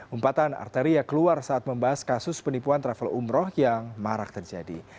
umpatan arteria keluar saat membahas kasus penipuan travel umroh yang marak terjadi